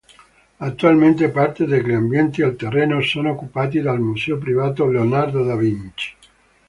Attualmente parte degli ambienti al terreno sono occupati dal museo privato Leonardo da Vinci.